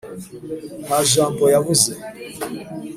nta jambo yavuze.